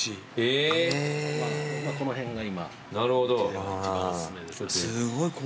この辺が今一番お薦めです。